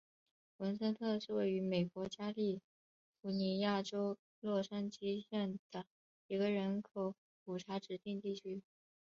文森特是位于美国加利福尼亚州洛杉矶县的一个人口普查指定地区。